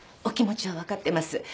お気持ちは分かってます。